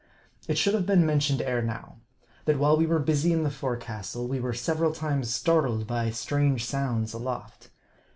It should have been mentioned ere now, that while we were busy in the forecastle, we were several times startled by strange sounds aloft.